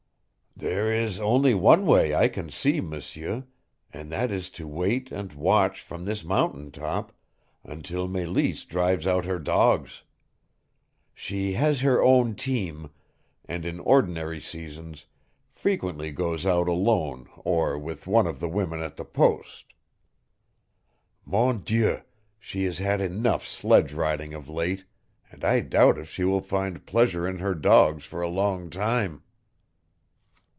"There is only one way I can see, M'seur, and that is to wait and watch from this mountain top until Meleese drives out her dogs. She has her own team, and in ordinary seasons frequently goes out alone or with one of the women at the post. Mon Dieu, she has had enough sledge riding of late, and I doubt if she will find pleasure in her dogs for a long time."